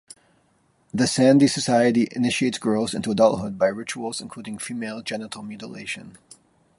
The Sande society initiates girls into adulthood by rituals including female genital mutilation.